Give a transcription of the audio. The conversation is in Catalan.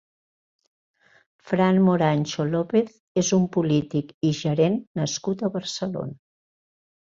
Fran Morancho López és un polític i gerent nascut a Barcelona.